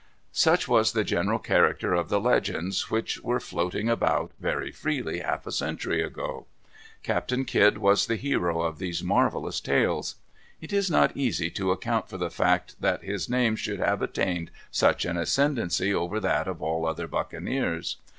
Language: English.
Such was the general character of the legends which were floating about very freely half a century ago. Captain Kidd was the hero of all these marvellous tales. It is not easy to account for the fact that his name should have attained such an ascendency over that of all other buccaneers.